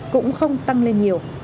cũng không tăng lên nhiều